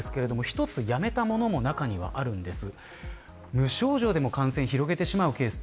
一つやめたものも中にはあるんです。